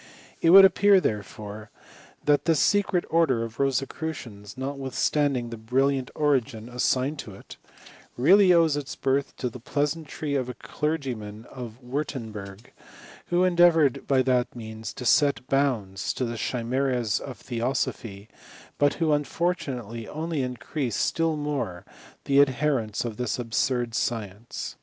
It would appear, therefore, that this secret order of Rosecru ciansy uotwithstandbg the brilliaAt origia assigned to 174 BISTORT OF €H£HIST&Y« it, really owes its birth to the pleasantry of a clergyman of Wirtemburg, who endeavoured by that means to set bounds to the chimeras of theosophy, but who un fortunately only increased still more the adherents of this absurd science.